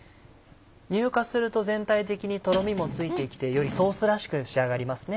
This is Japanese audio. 乳化すると全体的にとろみもついてきてよりソースらしく仕上がりますね。